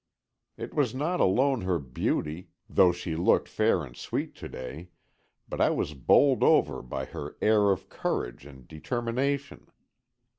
It was not alone her beauty, though she looked fair and sweet to day, but I was bowled over by her air of courage and determination.